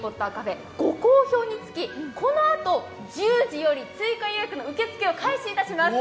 ご好評につき、このあと１０時より追加予約の受付を開始します。